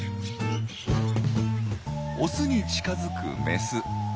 オスに近づくメス。